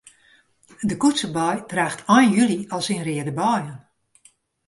De koetsebei draacht ein july al syn reade beien.